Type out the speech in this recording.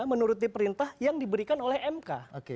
menuruti perintah yang diberikan oleh mk